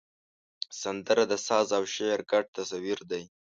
سندره د ساز او شعر ګډ تصویر دی